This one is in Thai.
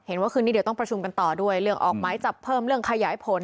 ว่าคืนนี้เดี๋ยวต้องประชุมกันต่อด้วยเรื่องออกหมายจับเพิ่มเรื่องขยายผล